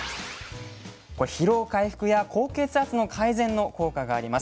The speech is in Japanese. これ「疲労回復や高血圧の改善」の効果があります。